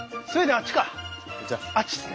あっちっすね。